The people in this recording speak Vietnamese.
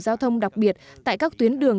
giao thông đặc biệt tại các tuyến đường